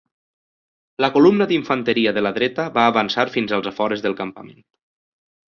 La columna d'infanteria de la dreta va avançar fins als afores del campament.